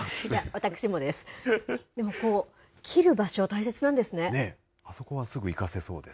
私もです。